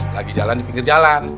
lagi jalan di pinggir jalan